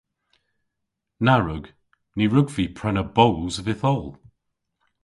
Na wrug. Ny wrug vy prena boos vytholl.